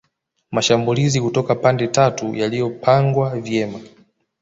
Mashambulizi kutoka pande tatu yaliyopangwa vyema